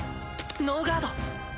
ノーガード。